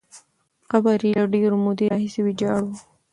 قبر یې له ډېرې مودې راهیسې ویجاړ وو.